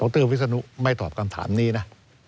รวิศนุไม่ตอบคำถามนี้นะ